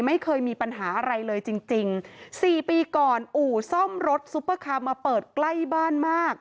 ไม่เคยมีปัญหาอะไรเลยจริงจริงสี่ปีก่อนอู่ซ่อมรถซุปเปอร์คาร์มาเปิดใกล้บ้านมาก